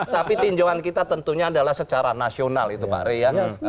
tapi tinjauan kita tentunya adalah secara nasional itu pak rey ya